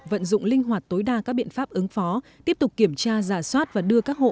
vận dụng linh hoạt tối đa các biện pháp ứng phó tiếp tục kiểm tra giả soát và đưa các hộ